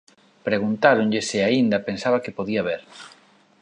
Preguntáronlle se aínda pensaba que podía “ver”.